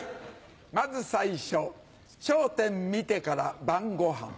先ず最初『笑点』見てから晩ごはん。